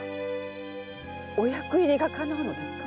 お役入りがかなうのですか？